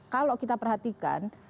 kalau kita perhatikan